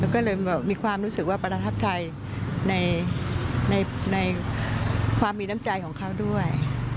ก็เลยมีความรู้สึกว่าประทับใจในความมีน้ำใจของเขาด้วย